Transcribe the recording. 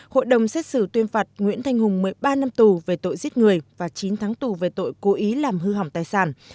hội đồng xét xử tuyên phạt nguyễn thanh hùng một mươi ba năm tù về tội giết người và chín tháng tù về tội cố ý làm hư hỏng tài sản